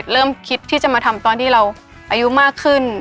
เริ่มคิดมาทำตอนที่เรายุมากขึ้น